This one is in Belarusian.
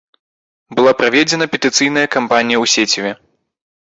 Была праведзена петыцыйная кампанія ў сеціве.